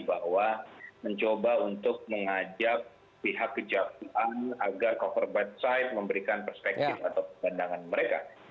bahwa mencoba untuk mengajak pihak kejaksaan agar cover by side memberikan perspektif atau pandangan mereka